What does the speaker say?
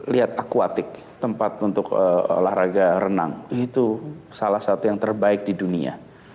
lihat akuatik tempat untuk olahraga renang itu salah satu yang terbaik di dunia